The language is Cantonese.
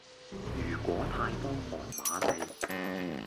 如果太多韓瑪利